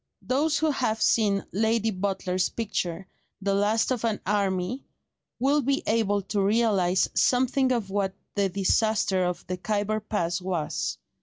Those who have seen Lady Butler's picture, "The Last of an Army," will be able to realise something of what the disaster of the Khyber pass was.